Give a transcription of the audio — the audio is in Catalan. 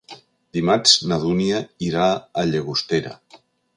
Dimarts na Dúnia irà a Llagostera.